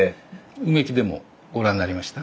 埋木でもご覧になりました？